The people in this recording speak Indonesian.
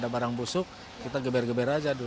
barang busuk kita geber geber aja dulu